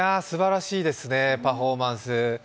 すばらしいですねパフォーマンス。